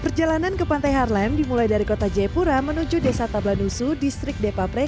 perjalanan ke pantai harlem dimulai dari kota jaipura menuju desa tablanusu distrik depa pre